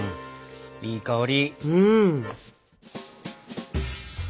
いい香り。